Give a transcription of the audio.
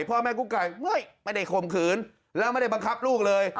พ่อแม่กุ๊กไก่ไม่ได้ข่มขืนแล้วไม่ได้บังคับลูกเลย